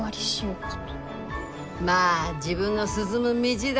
まあ自分の進む道だ。